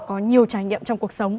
có nhiều trải nghiệm trong cuộc sống